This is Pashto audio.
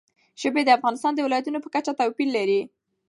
ژبې د افغانستان د ولایاتو په کچه توپیر لري.